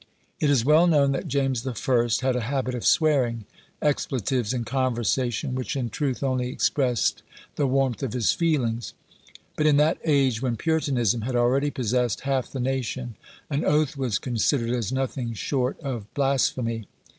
It is well known that James the First had a habit of swearing, expletives in conversation, which, in truth, only expressed the warmth of his feelings; but in that age, when Puritanism had already possessed half the nation, an oath was considered as nothing short of blasphemy.